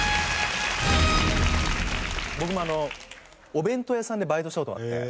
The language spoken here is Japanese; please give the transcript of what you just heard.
僕もお弁当屋さんでバイトした事があって。